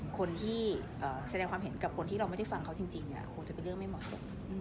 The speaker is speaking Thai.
คนที่แสดงความเห็นกับคนที่เราไม่ได้ฟังเขาจริงคงจะเป็นเรื่องไม่เหมาะสม